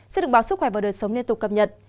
sẽ được báo sức khỏe và đời sống liên tục cập nhật